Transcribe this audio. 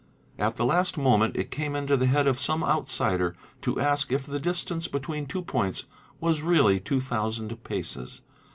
At the last 'moment it came into the head of some outsider to ask if the distance between two points was really two thousand paces.